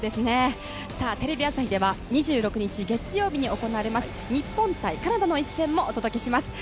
テレビ朝日では２６日月曜日に行われます日本対カナダの一戦もお届けします。